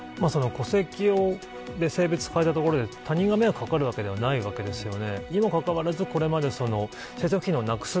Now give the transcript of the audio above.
戸籍で性別を変えたところで他人に迷惑がかかるわけではないわけですよね。